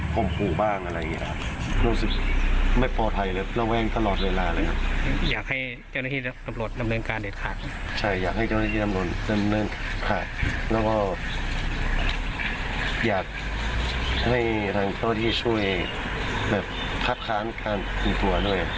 ก็มาพาพวกกันแล้ว